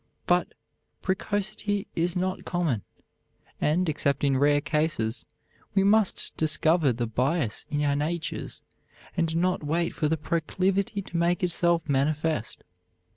But precocity is not common, and, except in rare cases, we must discover the bias in our natures, and not wait for the proclivity to make itself manifest.